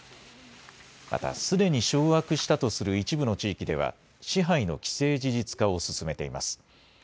またすでに掌握したとする一部の地域では支配の既成事実化を進めています。